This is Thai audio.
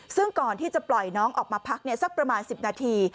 ซึ่งก่อนที่จะปล่อยน้องออกมาพักสักประมาณ๑๐นาที